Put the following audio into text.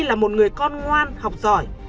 là một người con ngoan học giỏi